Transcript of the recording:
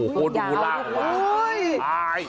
โหดูลากออกมา